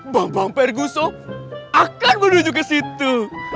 bambang perguso akan menuju ke situ